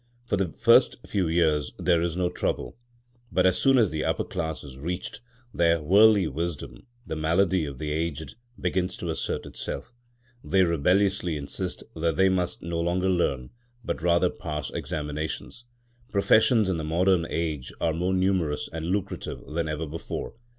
For the first few years there is no trouble. But as soon as the upper class is reached, their worldly wisdom—the malady of the aged—begins to assert itself. They rebelliously insist that they must no longer learn, but rather pass examinations. Professions in the modern age are more numerous and lucrative than ever before.